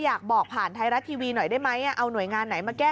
อยากบอกผ่านไทยรัฐทีวีหน่อยได้ไหมเอาหน่วยงานไหนมาแก้